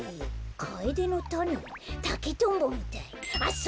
カエデのたねたけとんぼみたいあっそうだ！